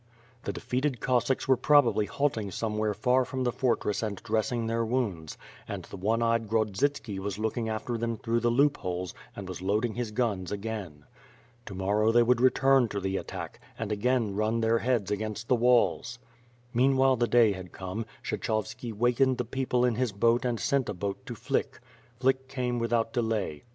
The defeated Cossacks were probably halting somewhere far from the fortress and dressing their wounds, and the one eyed Grodzitski was looking after them through the loop holes, and was loading his guns again. To morow they will return to the attack, and again run their heads against the walls." Meanwhile the day had come; Kshechovski wakened the people in his boat, and sent a boat to Flick. Flick came without delay.